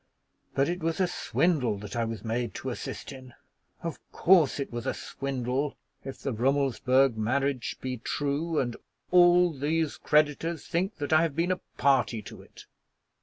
But it was a swindle that I was made to assist in. Of course it was a swindle, if the Rummelsburg marriage be true, and all these creditors think that I have been a party to it.